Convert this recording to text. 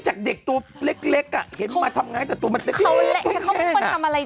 แต่ตัวมันเป็นแข็งอะแข็งอะเขาทำอะไรจริงจังดีนะบ้างไหม